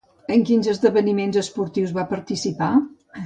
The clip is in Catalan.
En quins esdeveniments esportius va participar?